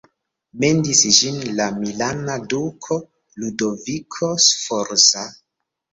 Mendis ĝin la milana duko Ludoviko Sforza.